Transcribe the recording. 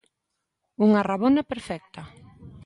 Unha rabona perfecta.